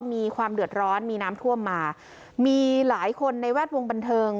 มีความเดือดร้อนมีน้ำท่วมมามีหลายคนในแวดวงบันเทิง